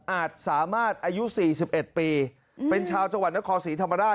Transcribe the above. อาจสามารถอายุ๔๑ปีเป็นชาวจังหวัดนครศรีธรรมราช